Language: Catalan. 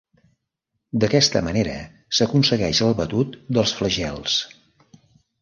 D'aquesta manera s'aconsegueix el batut dels flagels.